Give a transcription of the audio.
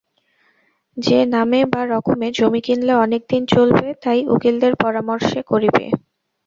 যে নামে বা রকমে জমি কিনলে অনেক দিন চলবে, তাই উকিলদের পরামর্শে করিবে।